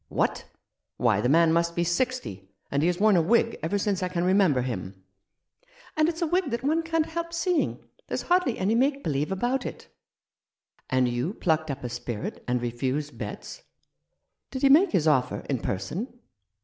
" What ! Why, the man must be sixty, and he has worn a wig ever since I can remember him !" "And it's a wig that one can't help seeing. There's hardly any make believe about it." "And you plucked up a spirit and refused Betts ? Did he make his offer in person